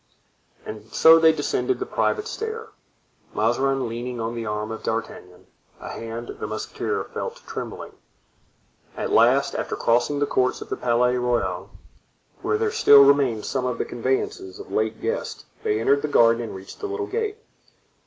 And so they descended the private stair, Mazarin leaning on the arm of D'Artagnan a hand the musketeer felt trembling. At last, after crossing the courts of the Palais Royal, where there still remained some of the conveyances of late guests, they entered the garden and reached the little gate.